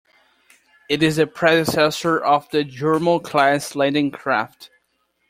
It is the predecessor of the Jurmo class landing craft.